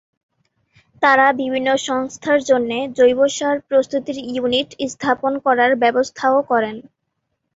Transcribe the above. তাঁরা বিভিন্ন সংস্থার জন্যে জৈব সার প্রস্তুতির ইউনিট স্থাপন করার ব্যবস্থাও করেন।